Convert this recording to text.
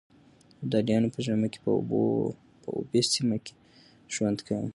ابدالیانو په ژمي کې په اوبې سيمه کې ژوند کاوه.